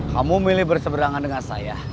kamu milih berseberangan dengan saya